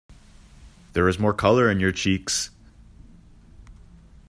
There is more colour in your cheeks.